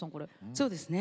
そうですね。